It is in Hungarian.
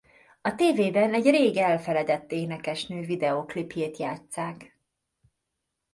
A tévében egy rég elfeledett énekesnő videóklipjét játsszák.